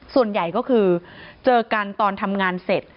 ส่วนใหญ่ก็คือเจอกันตอนทำงานเสร็จ